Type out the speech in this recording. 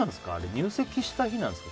入籍した日なんですか？